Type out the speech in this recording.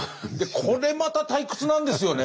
これまた退屈なんですよね。